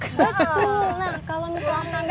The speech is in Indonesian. betul nah kalau misalnya aku ambil